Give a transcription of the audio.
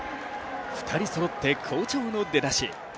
２人そろって好調の出だし。